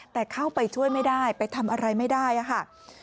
แต่เข้าไปช่วยไม่ได้ไปทำอะไรไม่ได้ค่ะ